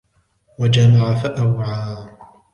وَجَمَعَ فَأَوْعَى